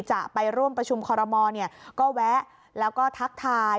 จะไปร่วมประชุมคอรมอลก็แวะแล้วก็ทักทาย